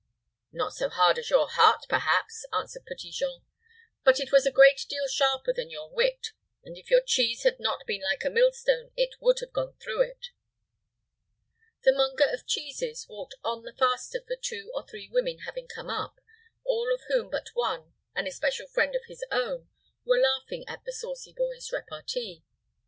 "Not so hard as your heart, perhaps," answered Petit Jean; "but it was a great deal sharper than your wit; and if your cheese had not been like a millstone, it would have gone through it." The monger of cheeses walked on all the faster for two or three women having come up, all of whom but one, an especial friend of his own, were laughing at the saucy boy's repartee.